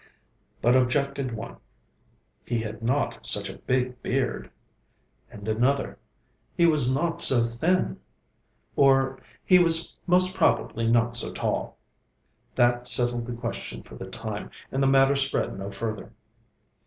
But, objected one, 'He had not such a big beard'; and another, 'He was not so thin'; or 'He was most probably not so tall.' That settled the question for the time, and the matter spread no further.